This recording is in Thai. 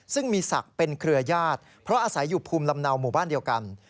ซึ่งมีศักดิ์เป็นเครือญาติเพราะอาศัยอยู่ภูมิลำเนาหมู่บ้านเดียวกัน